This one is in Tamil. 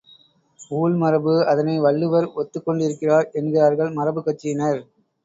ஊழ் மரபு, அதனை வள்ளுவர் ஒத்துக்கொண்டிருக்கிறார் என்கிறார்கள் மரபுக்கட்சியினர்.